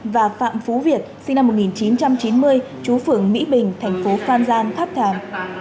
và phạm phú việt sinh năm một nghìn chín trăm chín mươi chú phường mỹ bình thành phố phan giang tháp thàng